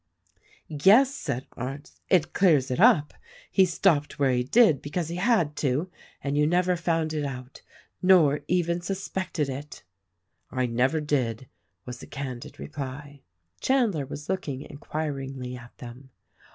"Yes," said Arndt, "it clears it up. He stopped where THE RECORDING ANGEL 249 he did because he had to; — ana you never founa it out, nor even suspected it." "I never did," was the candid reply. Chandler was looking inquiringly at them.